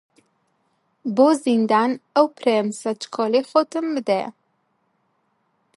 بۆ زیندان ئەو پرێمسە چکۆڵەی خۆتم بدەیە